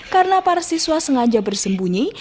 karena para siswa sengaja bersembunyi